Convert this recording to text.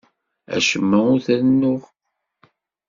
Acemma ur t-rennuɣ.